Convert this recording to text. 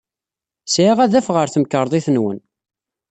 Sɛiɣ adaf ɣer temkarḍit-nwen.